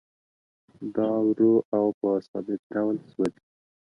دا ورو او په ثابت ډول سوځي